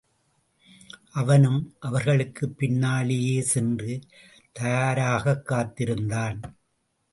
அவனும் அவர்களுக்குப் பின்னாலேயே சென்று தயாராகக் காத்திருந்தான்.